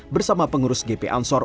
bersama pengurus gp ansor